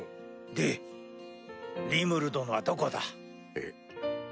でリムル殿はどこだ？えっ。